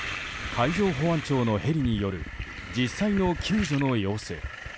海上保安庁のヘリによる実際の救助の様子。